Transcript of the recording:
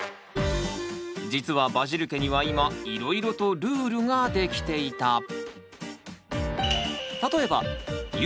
実はバジル家には今いろいろとルールができていた！